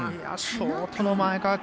ショートの前川君。